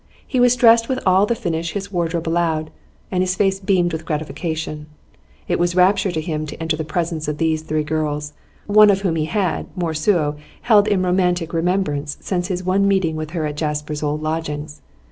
He was dressed with all the finish his wardrobe allowed, and his face beamed with gratification; it was rapture to him to enter the presence of these three girls, one of whom he had, more suo, held in romantic remembrance since his one meeting with her at Jasper's old lodgings.